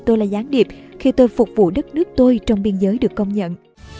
tôi là gián điệp khi tôi phục vụ đất nước tôi trong biên giới được công nhận